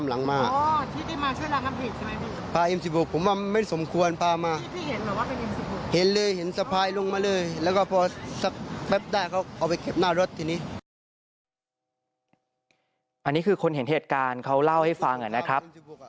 อันนี้คือคนเห็นเหตุการณ์เขาเล่าให้ฟังนะครับ